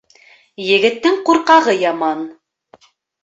Егеттең ҡурҡағы яман.